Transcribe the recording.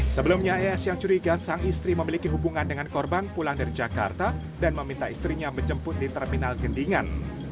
sebelumnya es yang curiga sang istri memiliki hubungan dengan korban pulang dari jakarta dan meminta istrinya menjemput di terminal gendingan